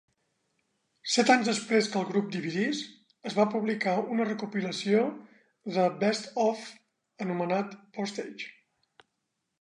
Set anys després que el grup dividís, es va publicar una recopilació de "Best Of" anomenat "Postage".